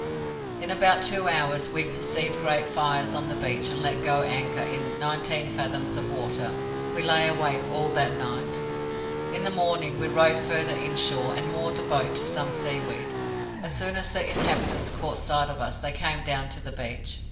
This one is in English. "In about two hours we perceived great fires on the beach and let go anchor in nineteen fathoms of water. We lay awake all that night. In the morning, we rowed further inshore, and moored the boat to some seaweed. As soon as the inhabitants caught sight of us, they came down to the beach.